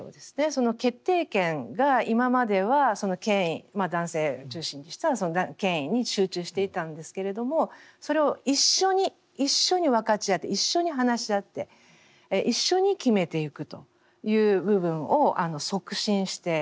その決定権が今までは権威男性中心にしてのその権威に集中していたんですけれどもそれを一緒に一緒に分かち合って一緒に話し合って一緒に決めていくという部分を促進しています。